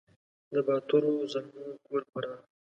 د باتورو زلمو کور فراه !